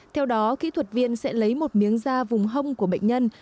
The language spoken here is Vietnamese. theo đó kỹ thuật viên sẽ lấy một miếng da vùng hông của bệnh nhân